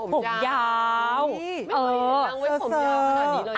ไม่เคยเห็นตั้งไว้ผมยาวขนาดนี้เลยนะ